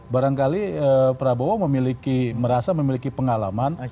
barangkali prabowo merasa memiliki pengalaman